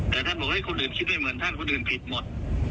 แต่ท่านบอกให้คนอื่นคิดไม่เหมือนท่านคนอื่นผิดหมด